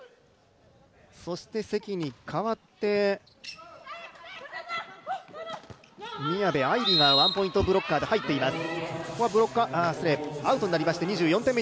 そして関に代わって宮部藍梨がワンポイントブロッカーで入っています。